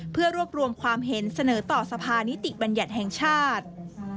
เพื่อรวบรวมความเห็นเสนอต่อสภานิติบัญญัติแห่งชาติ